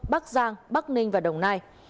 bắc giang bắc ninh và đồng nai